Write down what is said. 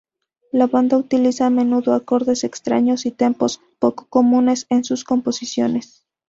La banda utiliza a menudo acordes extraños y tempos poco comunes en sus composiciones.